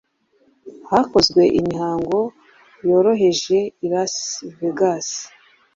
Hakozwe imihango yoroheje i Las Vegas,